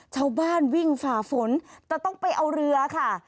ชาวบ้านวิ่งฝ่าฝนจะต้องไปเอาเรือค่ะ